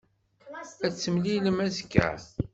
Ad t-temlilem azekka.